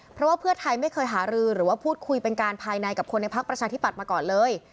เพราะว่าเพื่อไทยไม่เคยหารือหรือว่าพูดคุยเป็นการภายในกับคนในพักประชาธิปัตย์มาก่อนเลย